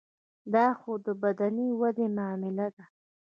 دا خو د بدني ودې معامله ده.